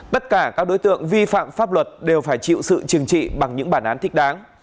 tất cả các đối tượng vi phạm pháp luật đều phải chịu sự trừng trị bằng những bản án thích đáng